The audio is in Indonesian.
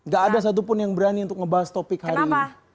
gak ada satupun yang berani untuk ngebahas topik hari ini